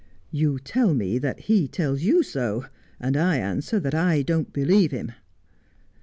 ' You tell me that he tells you so, and I answer that I don't believe him.